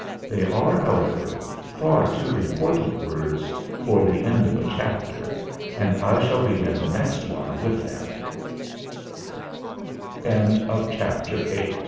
They are, however, far too important words for the end of a chapter, and I shall begin the next one with t